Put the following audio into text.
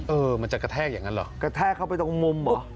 เออมันจะกระแทกอย่างนั้นเหรอกระแทกเข้าไปตรงมุมเหรอ